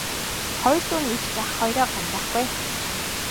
Хоёр дүү нь эгч ах хоёроо гомдоохгүй ээ.